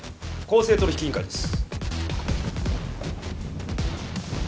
公正取引委員会です。